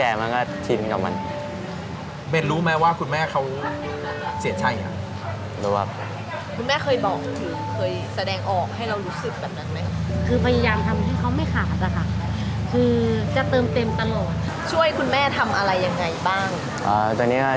แอบมองไปเห็นลูกชายนั่งอยู่ตรงนี้เลย